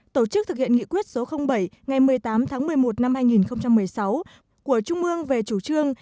tổ chức thực hiện nghị quyết số bảy ngày một mươi tám tháng một mươi một năm hai nghìn một mươi sáu của trung ương về chủ trương